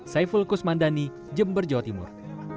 saya fulkus mandani jember jawa timur